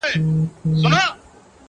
ډېر مي ياديږي دخپلي کلي د خپل غره ملګري،